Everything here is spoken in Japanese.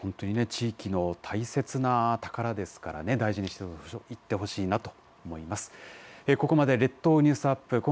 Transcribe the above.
はい、本当に地域の大切な宝ですからね大事にしていってほしいなと思います。